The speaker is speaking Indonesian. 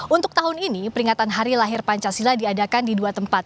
untuk tahun ini peringatan hari lahir pancasila diadakan di dua tempat